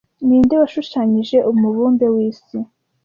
Ninde washushanyije umubumbe w'isi